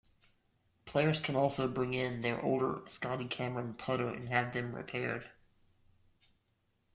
Players can also bring in their older Scotty Cameron Putter and have them repaired.